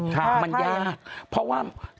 มันยากเพราะว่า